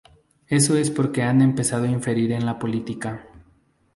Eso es porque han empezado a interferir en la política.